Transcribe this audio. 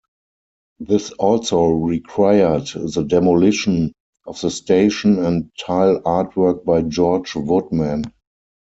This also required the demolition of the station and tile artwork by George Woodman.